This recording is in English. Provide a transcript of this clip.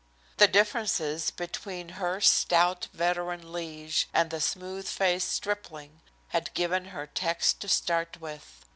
The differences between her stout, veteran liege and the smooth faced stripling had given her text to start with.